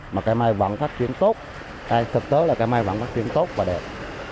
mà cái mai vẫn phát triển tốt thực tế là cái mai vẫn phát triển tốt và đẹp